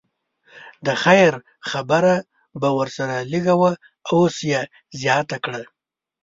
د خیر خبره به ورسره لږه وه اوس یې زیاته کړه.